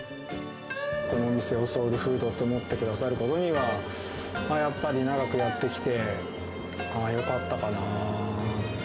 このお店をソウルフードと思ってくださることにはやっぱり長くやってきてよかったかな。